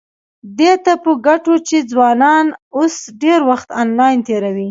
دې ته په کتو چې ځوانان اوس ډېر وخت انلاین تېروي،